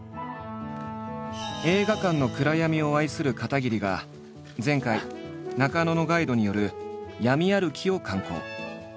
映画館の暗闇を愛する片桐が前回中野のガイドによる闇歩きを敢行。